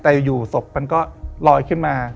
แต่อยู่ศพมันก็ลอยขึ้นมา